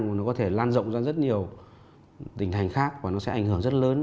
mà nó có thể lan rộng ra rất nhiều tỉnh thành khác và nó sẽ ảnh hưởng rất lớn